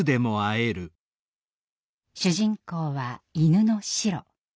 主人公は犬のシロ。